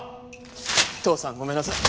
父さんごめんなさい。